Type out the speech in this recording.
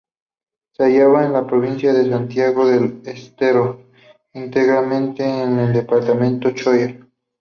Se hallaba en la provincia de Santiago del Estero, íntegramente en el departamento Choya.